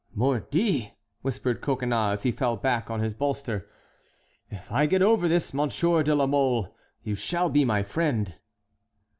"Mordi!" whispered Coconnas, as he fell back on his bolster. "If I get over this, Monsieur de la Mole, you shall be my friend."